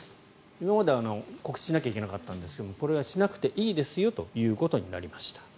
今まで告知しなきゃいけなかったんですけどこれがしなくていいですよとなりました。